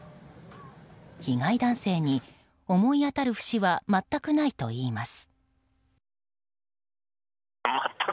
被害男性に思い当たる節は全くないといいます。